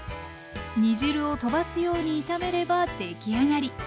煮汁をとばすように炒めれば出来上がり。